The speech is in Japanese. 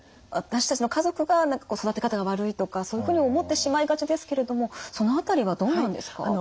私たちの家族が何かこう育て方が悪いとかそういうふうに思ってしまいがちですけれどもその辺りはどうなんですか？